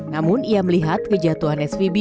namun ia melihat kejatuhan svb